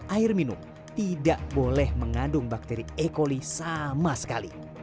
air minum tidak boleh mengandung bakteri e coli sama sekali